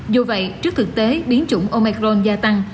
dù vậy trước thực tế biến chủng omicron gia tăng